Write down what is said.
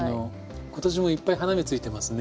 今年もいっぱい花芽ついてますね。